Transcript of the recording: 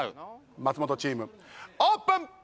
松本チームオープン！